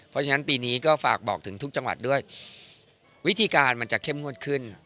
เพราะฉะนั้นปีนี้ก็ฝากบอกถึงทุกจังหวัดด้วยวิธีการมันจะเข้มงวดขึ้น